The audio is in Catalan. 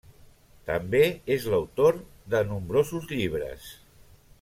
També és l'autor de nombrosos llibres.